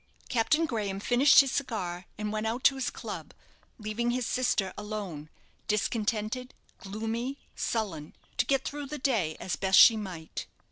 Captain Graham finished his cigar, and went out to his club, leaving his sister alone, discontented, gloomy, sullen, to get through the day as best she might.